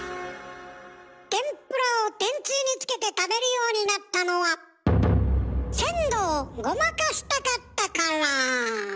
天ぷらを天つゆにつけて食べるようになったのは鮮度をごまかしたかったから。